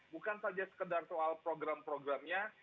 bukan saja sekedar soal program programnya